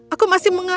aku masih mengantuk